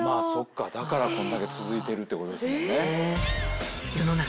そっかだからこれだけ続いてるってことですもんね。